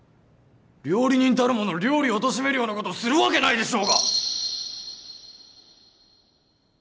料理人たる者料理をおとしめるようなことするわけないでしょうが！